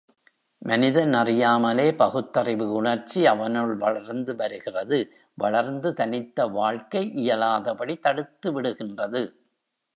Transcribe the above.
மனிதன் அறியாமலே பகுத்தறிவு உணர்ச்சி அவனுள் வளர்ந்து வருகிறது வளர்ந்து தனித்த வாழ்க்கை இயலாதபடி தடுத்துவிடுகின்றது.